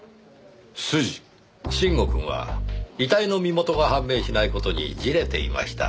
臣吾くんは遺体の身元が判明しない事に焦れていました。